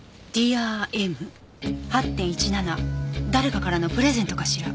誰かからのプレゼントかしら？